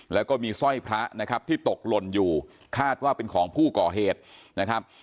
แล้วก็มีสร้อยพระนะครับที่ตกหล่นอยู่คาดว่าเป็นของผู้ก่อเหตุนะครับ